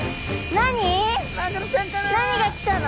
何がきたの？